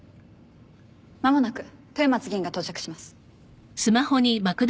間もなく豊松議員が到着します。